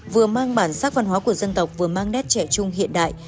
vừa mang bản sắc văn hóa của dân tộc vừa mang nét trẻ trung hiện đại